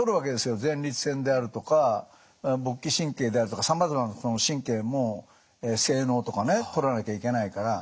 前立腺であるとか勃起神経であるとかさまざまな神経も精のうとかね取らなきゃいけないから。